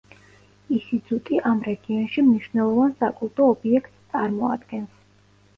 ისიძუტი ამ რეგიონში მნიშვნელოვან საკულტო ობიექტს წარმოადგენს.